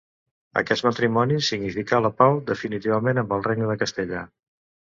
Aquest matrimoni significà la pau definitiva amb el Regne de Castella.